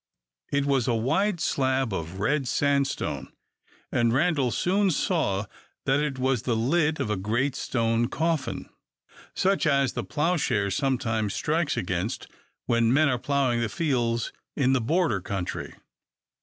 It was a wide slab of red sandstone, and Randal soon saw that it was the lid of a great stone coffin, such as the ploughshare sometimes strikes against when men are ploughing the fields in the Border country.